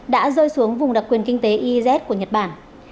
đã rơi xuống vùng đặc quyền kinh tế iz của nhật bản